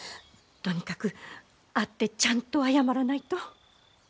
とにかく会ってちゃんと謝らないと。